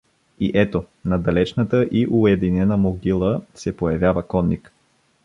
И ето на далечната и уединена могила се появява конник.